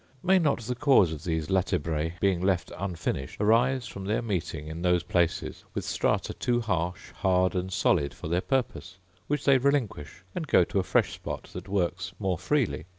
May not the cause of these latebrae being left unfinished arise from their meeting in those places with strata too harsh, hard, and solid, for their purpose, which they relinquish, and go to a fresh spot that works more freely